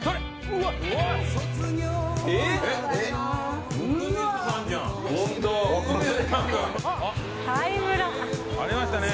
うまいね。